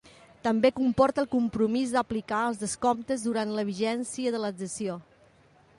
També comporta el compromís d'aplicar els descomptes durant la vigència de l'adhesió.